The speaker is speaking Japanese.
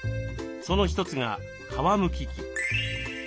その一つが皮むき器。